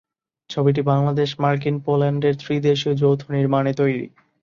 ছবিটি বাংলাদেশ-মার্কিন-পোল্যান্ডের -এীদেশীয় যৌথ-নির্মাণে তৈরি।